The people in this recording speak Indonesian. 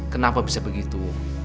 kenapa bisa begitu